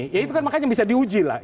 ya itu kan makanya bisa diuji lah